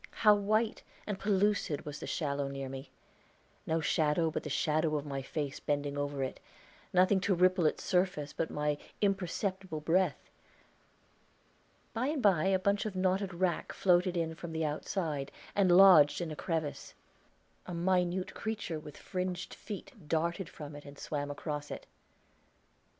How white and pellucid was the shallow near me no shadow but the shadow of my face bending over it nothing to ripple its surface, but my imperceptible breath! By and by a bunch of knotted wrack floated in from the outside and lodged in a crevice; a minute creature with fringed feet darted from it and swam across it.